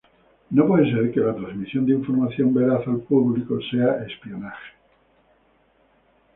No puede ser que la transmisión de información veraz al público sea espionaje“.